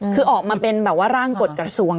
คือออกมาเป็นแบบว่าร่างกฎกระทรวง